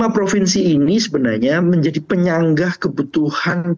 lima provinsi ini sebenarnya menjadi penyanggah kebutuhan cabai